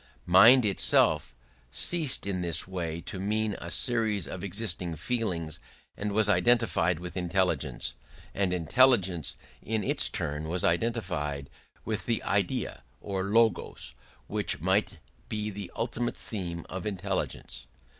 Mind itself ceased in this way to mean a series of existing feelings and was identified with intelligence; and intelligence in its turn was identified with the Idea or Logos which might be the ultimate theme of intelligence.